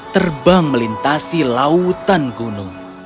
terbang melintasi lautan gunung